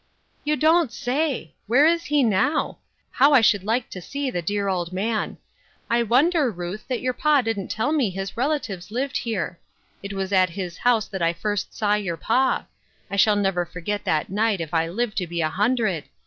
" You don't say ! Where is he now ? How 1 should like to see the dear old man ! I won der, Ruth, that your pa didn't tell me his rela tives lived here. It was at his house that I first saw your pa. I shall never forget that night, if I live to be a hundred.